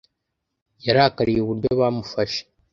Yarakariye uburyo bamufashe.